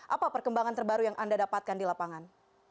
apa perkembangan terbaru yang anda dapatkan di lapangan